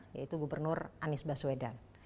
yaitu gubernur anies baswedan